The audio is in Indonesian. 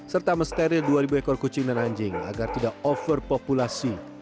serta mensteril dua ribu ekor kucing dan anjing agar tidak overpopulasi